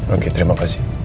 oke terima kasih